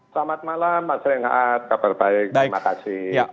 selamat malam mas renhat kabar baik terima kasih